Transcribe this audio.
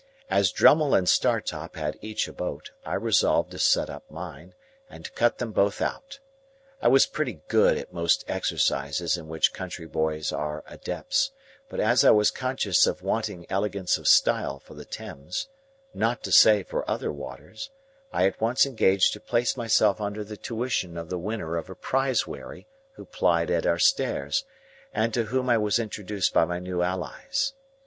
As Drummle and Startop had each a boat, I resolved to set up mine, and to cut them both out. I was pretty good at most exercises in which country boys are adepts, but as I was conscious of wanting elegance of style for the Thames,—not to say for other waters,—I at once engaged to place myself under the tuition of the winner of a prize wherry who plied at our stairs, and to whom I was introduced by my new allies.